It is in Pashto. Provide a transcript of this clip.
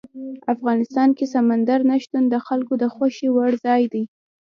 افغانستان کې سمندر نه شتون د خلکو د خوښې وړ ځای دی.